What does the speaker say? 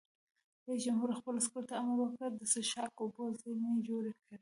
رئیس جمهور خپلو عسکرو ته امر وکړ؛ د څښاک اوبو زیرمې جوړې کړئ!